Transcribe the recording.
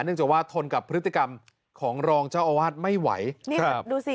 จากว่าทนกับพฤติกรรมของรองเจ้าอาวาสไม่ไหวนี่ครับดูสิ